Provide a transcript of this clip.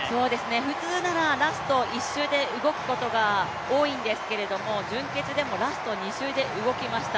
普通ならラスト１周で動くことが多いんですけれども準決でもラスト２周で動きました。